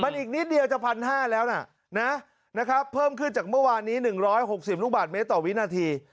มันอีกนิดเดียวจะพันห้าแล้วน่ะนะนะครับเพิ่มขึ้นจากเมื่อวานนี้หนึ่งร้อยหกสิบลูกบาทเมตรต่อวินาที